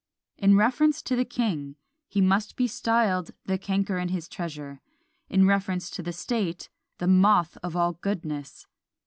In reference to the king, he must be styled the canker in his treasure; in reference to the state the moth of all goodness.